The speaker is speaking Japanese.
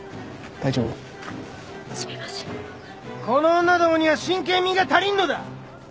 この女どもには真剣味が足りんのだ！